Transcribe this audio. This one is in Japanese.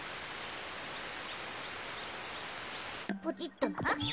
ポチッとな。